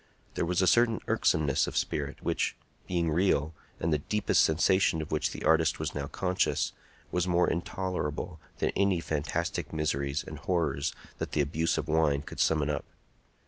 There was a certain irksomeness of spirit, which, being real, and the deepest sensation of which the artist was now conscious, was more intolerable than any fantastic miseries and horrors that the abuse of wine could summon up.